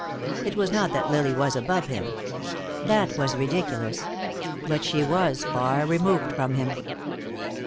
It was not that Lily was above him. That was ridiculous. But she was far removed from him.